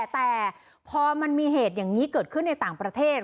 แต่พอมันมีเหตุอย่างนี้เกิดขึ้นในต่างประเทศ